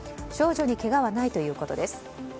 少女にけがはないということです。